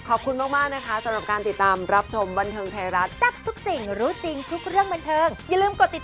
อันนี้สิงแล้วแซวเล่นยอก